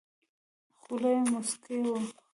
خوله یې موسکه وه .